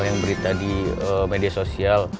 yang berita di media sosial